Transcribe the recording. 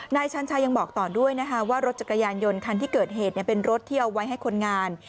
ชันชายังบอกต่อด้วยนะคะว่ารถจักรยานยนต์คันที่เกิดเหตุเป็นรถที่เอาไว้ให้คนงาน